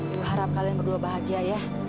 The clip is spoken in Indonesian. ibu harap kalian berdua bahagia ya